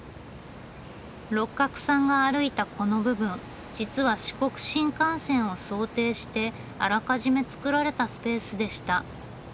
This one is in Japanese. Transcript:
六角さんが歩いたこの部分実は四国新幹線を想定してあらかじめ作られたスペースでした。